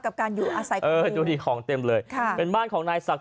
กับการอยู่อาศัยกันเออดูดิของเต็มเลยค่ะเป็นบ้านของนายศักดิ